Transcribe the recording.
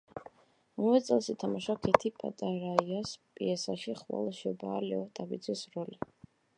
ამავე წელს ითამაშა ქეთი პატარაიას პიესაში „ხვალ შობაა“, ლეო ტაბიძის როლი.